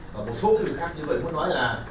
và một số rừng khác như vậy muốn nói là